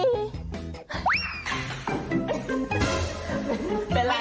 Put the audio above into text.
เป็นไรเป็นไร